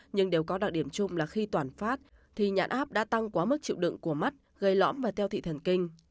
nhưng đều có đặc điểm chung là khi toàn phát thì nhãn áp đã tăng quá mức chịu đựng của mắt gây lõm và tiêu thị thần kinh